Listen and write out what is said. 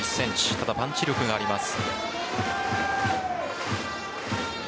ただ、パンチ力があります。